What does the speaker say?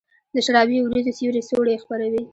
د شرابې اوریځو سیوري څوڼي خپروي